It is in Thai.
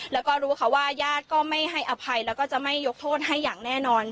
แล้วก็รู้ค่ะว่าญาติก็ไม่ให้อภัยแล้วก็จะไม่ยกโทษให้อย่างแน่นอน